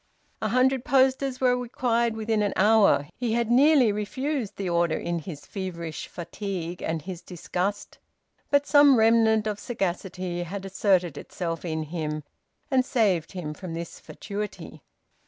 A hundred posters were required within an hour. He had nearly refused the order, in his feverish fatigue and his disgust, but some remnant of sagacity had asserted itself in him and saved him from this fatuity.